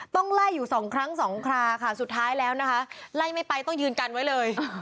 ต้องไล่อยู่สองครั้งสองคราค่ะสุดท้ายแล้วนะคะไล่ไม่ไปต้องยืนกันไว้เลย